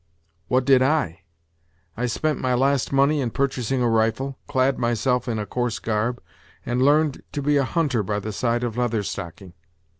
"What did I? I spent my last money in purchasing a rifle, clad myself in a coarse garb, and learned to be a hunter by the side of Leather Stocking.